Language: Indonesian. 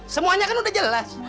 semuanya kan udah jelas